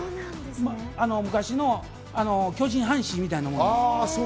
昔の巨人・阪神みたいなもん。